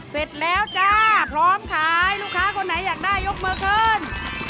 เสร็จแล้วจ้าพร้อมขายลูกค้าคนไหนอยากได้ยกมือคืน